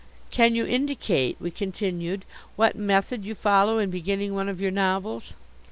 "Can you indicate," we continued, "what method you follow in beginning one of your novels?"